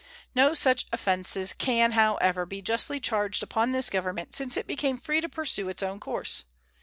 No such offenses can, however, be justly charged upon this Government since it became free to pursue its own course.